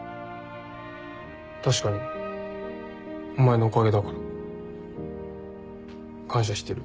確かにお前のおかげだから。感謝してる。